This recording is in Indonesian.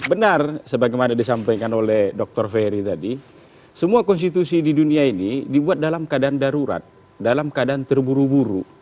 benar sebagaimana disampaikan oleh dr ferry tadi semua konstitusi di dunia ini dibuat dalam keadaan darurat dalam keadaan terburu buru